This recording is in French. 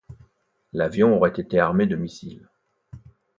L'avion aurait été armé de missiles '.